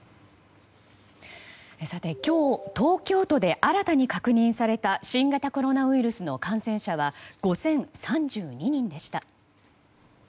今日、東京都で新たに確認された新型コロナウイルスの感染者は５０３２人でした。